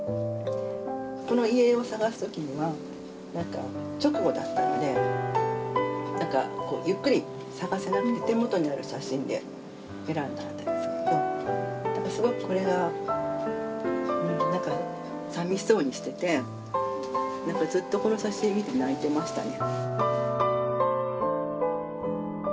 この遺影を探すときにはなんか直後だったんでゆっくり探せなくて手元にある写真で選んだんですけどすごくこれがなんかさみしそうにしててずっとこの写真見て泣いてましたね。